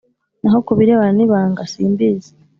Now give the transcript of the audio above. Naho ku birebana n ibanga simbizi